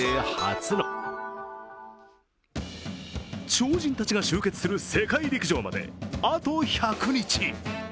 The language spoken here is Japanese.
超人たちが集結する世界陸上まであと１００日。